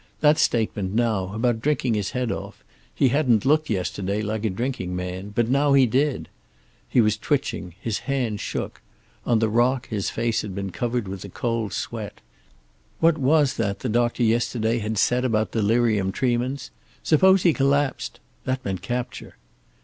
That statement, now, about drinking his head off he hadn't looked yesterday like a drinking man. But now he did. He was twitching, his hands shook. On the rock his face had been covered with a cold sweat. What was that the doctor yesterday had said about delirium tremens? Suppose he collapsed? That meant capture.